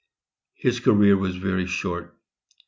His career was very short.